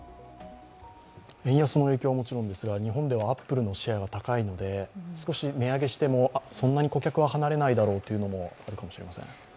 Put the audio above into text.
円安の影響はもちろんですが、日本ではアップルのシェアが高いので少し値上げしてもそんなに顧客は離れないだろうというのもあるかもしれません。